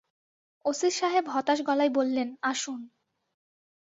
OC সাহেব হতাশ গলায় বললেন, আসুন।